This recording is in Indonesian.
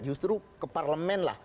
justru ke parlemen lah